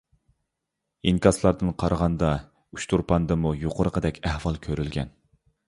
ئىنكاسلاردىن قارىغاندا ئۇچتۇرپاندىمۇ يۇقىرىقىدەك ئەھۋال كۆرۈلگەن.